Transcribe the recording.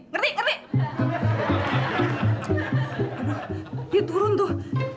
ngerti ngerti dia turun tuh